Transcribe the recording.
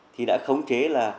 thì đã khống chế là